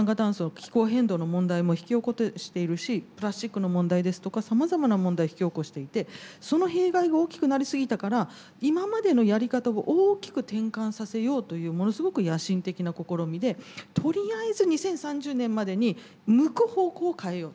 気候変動の問題も引き起こしているしプラスチックの問題ですとかさまざまな問題を引き起こしていてその弊害が大きくなりすぎたから今までのやり方を大きく転換させようというものすごく野心的な試みでとりあえず２０３０年までに向く方向を変えようと。